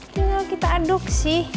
tinggal kita aduk sih